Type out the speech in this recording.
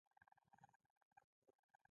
خپل مسوولیت څنګه وپیژنو؟